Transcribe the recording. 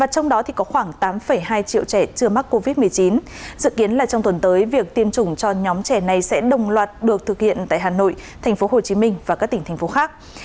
trong đó có khoảng tám hai triệu trẻ chưa mắc covid một mươi chín dự kiến là trong tuần tới việc tiêm chủng cho nhóm trẻ này sẽ đồng loạt được thực hiện tại hà nội tp hcm và các tỉnh thành phố khác